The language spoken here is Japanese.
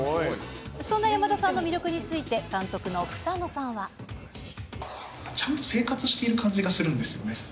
そんな山田さんの魅力について、ちゃんと生活している感じがするんですよね。